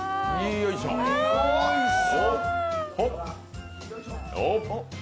おいしそ！